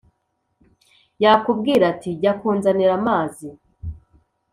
Yakubwira ati: jya kunzanira amazi